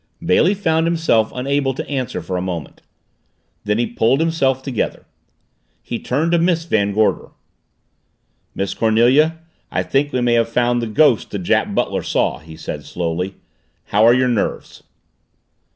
Bailey found himself unable to answer for a moment. Then he pulled himself together. He turned to Miss Van Gorder. "Miss Cornelia, I think we have found the ghost the Jap butler saw," he said slowly. "How are your nerves?"